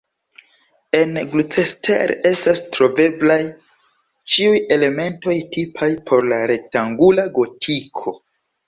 En Gloucester estas troveblaj ĉiuj elementoj tipaj por la rektangula gotiko.